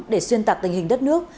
để xuyên tạc tình hình đất nước